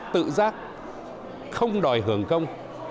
tự giác không đòi hưởng công